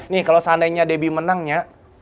nih kalo seandainya debi menangnya